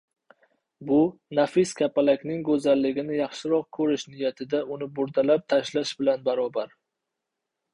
bu — nafis kapalakning go‘zalligini yaxshiroq ko‘rish niyatida uni burdalab tashlash bilan barobar.